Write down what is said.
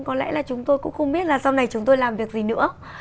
có lẽ là chúng tôi cũng không biết là sau này chúng tôi làm việc gì nữa